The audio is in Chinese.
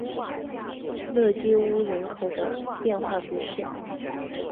勒基乌人口变化图示